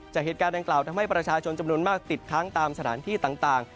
เหตุการณ์ดังกล่าวทำให้ประชาชนจำนวนมากติดค้างตามสถานที่ต่าง